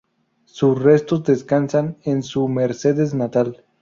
Sus restos descansan en su Mercedes natal.